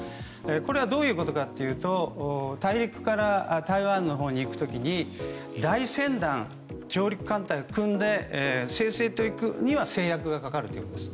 これはどういうことかというと大陸から台湾のほうに行く時に大船団、上陸艦隊を組んで行くには制約がかかるというわけです。